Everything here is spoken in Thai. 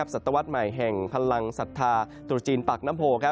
ศัตวรรษใหม่แห่งพลังศรัทธาตุจีนปากน้ำโพ